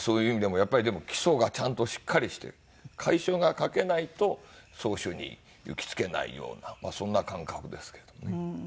やっぱりでも基礎がちゃんとしっかりして楷書が書けないと草書に行き着けないようなそんな感覚ですけどね。